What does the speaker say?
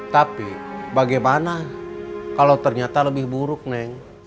tapi bagaimana kalau ternyata lebih buruk neng